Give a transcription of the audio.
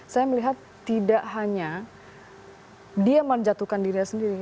saya melihat tidak hanya dia menjatuhkan dirinya sendiri